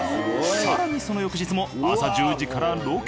更にその翌日も朝１０時からロケ。